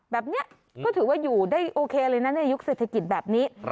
แบบนี้ก็ถือว่าอยู่ได้โอเคเลยนะในยุคเศรษฐกิจแบบนี้